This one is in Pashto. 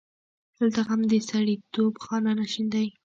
دلته غم د سړیتوب خانه نشین دی.